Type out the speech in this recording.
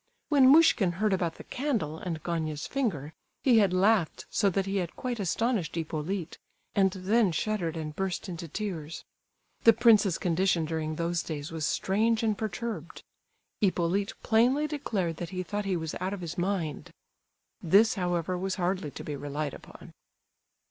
When Muishkin heard about the candle and Gania's finger he had laughed so that he had quite astonished Hippolyte,—and then shuddered and burst into tears. The prince's condition during those days was strange and perturbed. Hippolyte plainly declared that he thought he was out of his mind;—this, however, was hardly to be relied upon.